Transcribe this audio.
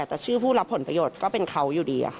แต่ชื่อผู้รับผลประโยชน์ก็เป็นเขาอยู่ดี